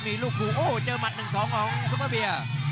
มีลูกคู่โอ้โหเจอมัดหนึ่งสองของซุปเปอร์เบีย